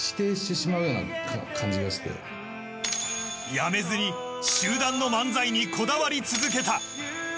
辞めずに集団の漫才にこだわり続けた。